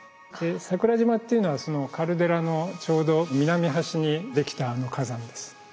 桜島っていうのはカルデラのちょうど南端にできた火山です。